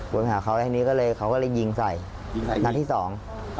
แล้วทีนี้เขาก็เลยยิงใส่นัดที่สอง